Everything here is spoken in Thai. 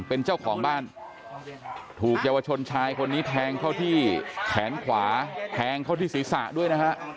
เป็นเจ้าของบ้านถูกเยาวชนชายคนนี้แทงเข้าที่แขนขวาแทงเข้าที่ศีรษะด้วยนะฮะ